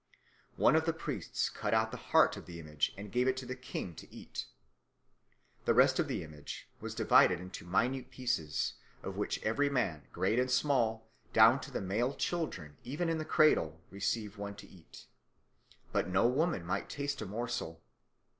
One of the priests cut out the heart of the image and gave it to the king to eat. The rest of the image was divided into minute pieces, of which every man great and small, down to the male children in the cradle, receive one to eat. But no woman might taste a morsel.